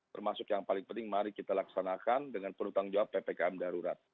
termasuk yang paling penting mari kita laksanakan dengan penuh tanggung jawab ppkm darurat